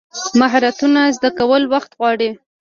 مهارتونه زده کول وخت غواړي.